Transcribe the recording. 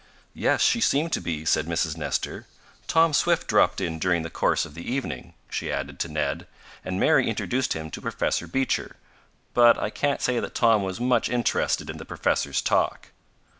"Yes, she seemed to be," said Mrs. Nestor. "Tom Swift dropped in during the course of the evening," she added to Ned, "and Mary introduced him to Professor Beecher. But I can't say that Tom was much interested in the professor's talk."